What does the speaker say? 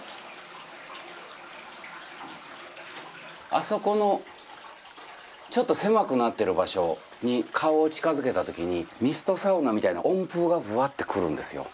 あそこのちょっと狭くなってる場所に顔を近づけたときにミストサウナみたいな温風がぶわって来るんですよ。